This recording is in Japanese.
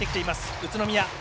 宇都宮。